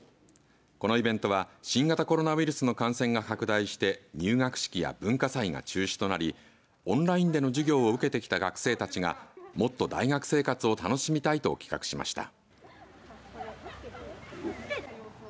このイベントは新型コロナウイルスの感染が拡大して入学式や文化祭が中止となりオンラインでの授業を受けてきた学生たちがもっと大学生活を楽しみたいと企画しました。